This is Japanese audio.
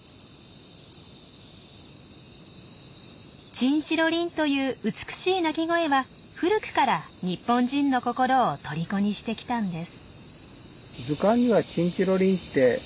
チンチロリンという美しい鳴き声は古くから日本人の心をとりこにしてきたんです。